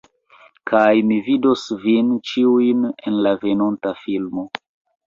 Kaj mi vidos vin ĉiujn en la venonta filmo.